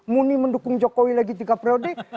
muni mendukung jokowi lagi tiga periode